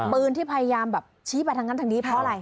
ปืนที่พยายามแบบชี้ไปทางนั้นทางนี้เพราะอะไร